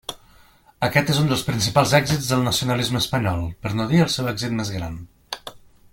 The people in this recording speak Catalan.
Aquest és un dels principals èxits del nacionalisme espanyol, per no dir el seu èxit més gran.